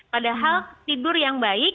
padahal tidur yang baik